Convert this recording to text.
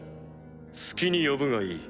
好きに呼ぶがいい。